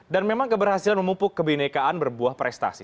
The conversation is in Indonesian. dan memang keberhasilan memupuk kebenekaan berbuah prestasi